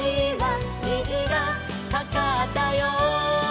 「にじがかかったよ」